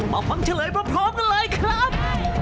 มาฟังเฉลยพร้อมกันเลยครับ